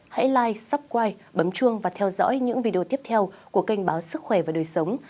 hãy like subscribe bấm chuông và theo dõi những video tiếp theo của kênh báo sức khỏe và đời sống